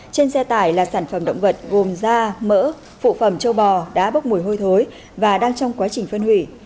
trên xe tải là sản phẩm động vật gồm da mỡ phụ phẩm châu bò đã bốc mùi hôi thối và đang trong quá trình phân hủy